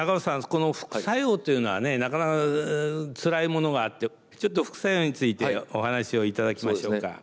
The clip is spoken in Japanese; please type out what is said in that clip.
この副作用というのはねなかなかつらいものがあってちょっと副作用についてお話をいただきましょうか。